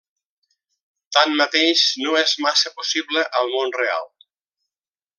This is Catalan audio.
Tanmateix, no és massa possible al món real.